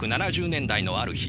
１９７０年代のある日